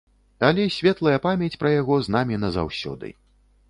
Але светлая памяць пра яго з намі назаўсёды.